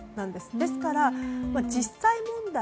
ですから実際問題